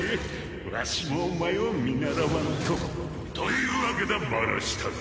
わしもお前を見習わんと。というわけだバラシタラ。